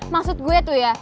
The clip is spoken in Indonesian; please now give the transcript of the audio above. maksud gue tuh ya